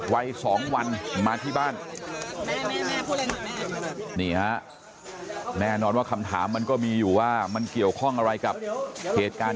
วัย๒วันมาที่บ้านนี่ฮะแน่นอนว่าคำถามมันก็มีอยู่ว่ามันเกี่ยวข้องอะไรกับเหตุการณ์